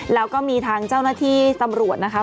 แล้วก็มีทางเจ้าหน้าที่ตำรวจนะคะ